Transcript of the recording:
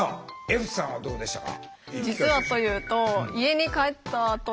歩さんはどうでしたか？